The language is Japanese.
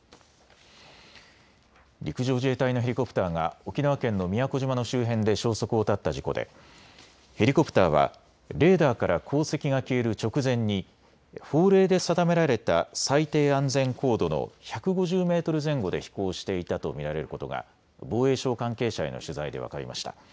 陸上自衛隊のヘリコプターが沖縄県の宮古島の周辺で消息を絶った事故でヘリコプターはレーダーから航跡が消える直前に法令で定められた最低安全高度の１５０メートル前後で飛行していたと見られることが防衛省関係者への取材で分かりました。